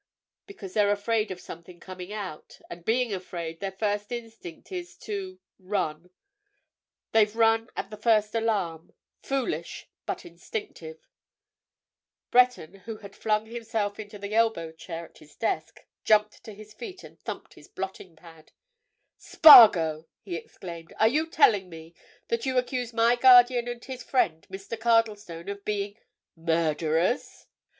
"Because they're afraid of something coming out. And being afraid, their first instinct is to—run. They've run at the first alarm. Foolish—but instinctive." Breton, who had flung himself into the elbow chair at his desk, jumped to his feet and thumped his blotting pad. "Spargo!" he exclaimed. "Are you telling me that you accuse my guardian and his friend, Mr. Cardlestone, of being—murderers?"